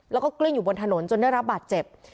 แล้วก็กลิ้งอยู่บนถนนจนได้รับบาดเจ็บ